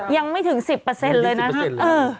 ยังไม่ถึง๑๐เปอร์เซ็นต์เลยนะครับเออยังไม่ถึง๑๐เปอร์เซ็นต์เลย